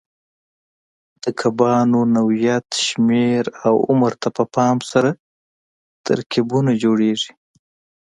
د کبانو نوعیت، شمېر او عمر ته په پام سره ترکیبونه جوړېږي.